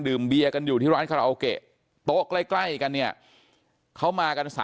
เบียร์กันอยู่ที่ร้านคาราโอเกะโต๊ะใกล้กันเนี่ยเขามากัน๓